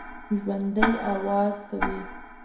ژوندي آواز کوي